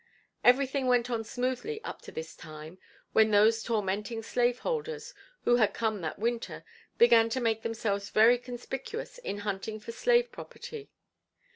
Everything went on smoothly up to this time, when those tormenting slave holders, who had come that winter, began to make themselves very conspicuous in hunting for slave property.